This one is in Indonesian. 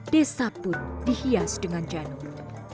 desa pun dihias dengan janur